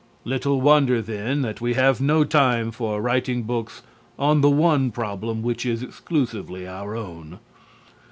Little wonder, then, that we have no time for writing books on the one problem which is exclusively our own.